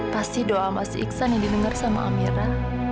pasti doa mas iksan yang didengar sama amira